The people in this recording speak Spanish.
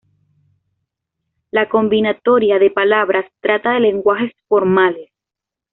La combinatoria de palabras trata de lenguajes formales.